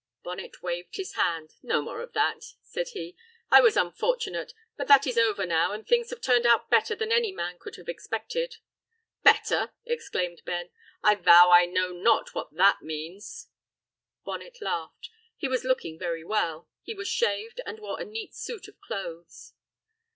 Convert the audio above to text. Bonnet waved his hand. "No more of that," said he; "I was unfortunate, but that is over now and things have turned out better than any man could have expected." "Better!" exclaimed Ben. "I vow I know not what that means." Bonnet laughed. He was looking very well; he was shaved, and wore a neat suit of clothes.